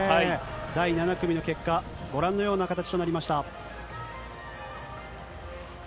第７組の結果、ご覧のような形となりました。